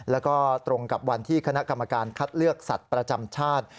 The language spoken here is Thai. แล้วก็ตรงกับวันที่คณะกรรมการคัดเลือกสัตว์ประจำชาติ